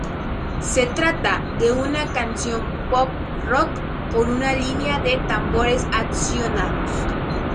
Se trata de una canción "pop rock" con una "línea de tambores accionados".